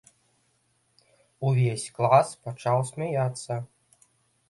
Увесь клас пачаў смяяцца.